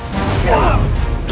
tidak ada perabu